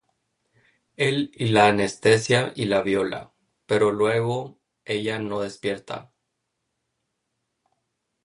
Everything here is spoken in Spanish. Él la anestesia y la viola, pero luego ella no despierta.